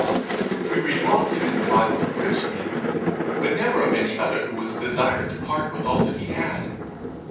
We read often in the Bible of rich men, but never of any other who was desired to part with all that he had!